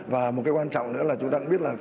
và một cái quan trọng nữa là chúng ta cũng biết là